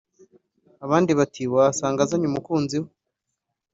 abandi bati wasanga azanye n’umukunzi we